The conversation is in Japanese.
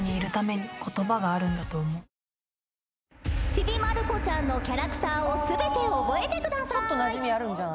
『ちびまる子ちゃん』のキャラクターを全て覚えてください。